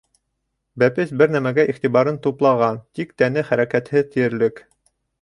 Бәпес бер нәмәгә иғтибарын туплаған, тик тәне хәрәкәтһеҙ тиерлек.